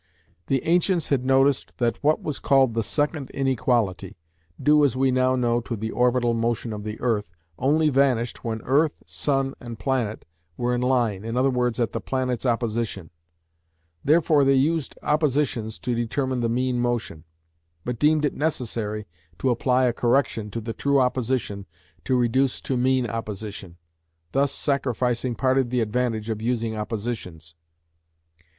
The ancients had noticed that what was called the "second inequality," due as we now know to the orbital motion of the earth, only vanished when earth, sun, and planet were in line, i.e. at the planet's opposition; therefore they used oppositions to determine the mean motion, but deemed it necessary to apply a correction to the true opposition to reduce to mean opposition, thus sacrificing part of the advantage of using oppositions.